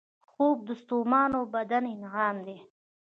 خوب د ستومانو بدن انعام دی